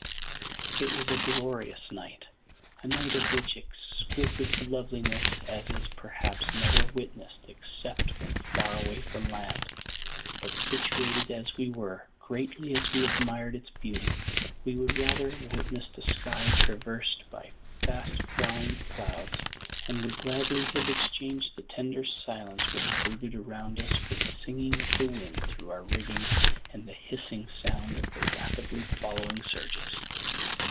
It was a glorious night a night of such exquisite loveliness as is perhaps never witnessed except when far away from land; but, situated as we were, greatly as we admired its beauty, we would rather have witnessed a sky traversed by fast flying clouds, and would gladly have exchanged the tender silence which brooded around us for the singing of the wind through our rigging and the hissing sound of the rapidly following surges.